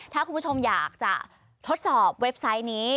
ถ้าคุณผู้ชมอยากจะทดสอบเว็บไซต์นี้